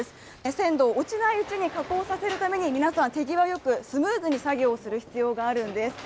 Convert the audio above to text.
鮮度が落ちないうちに加工するために、皆さん手際よくスムーズに作業する必要があるんです。